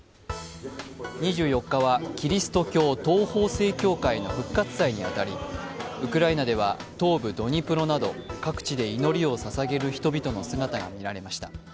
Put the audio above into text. ２４日はキリスト教東方正教会の復活祭にあたりウクライナでは東部ドニプロなど各地で祈りをささげる人々の姿が見られました。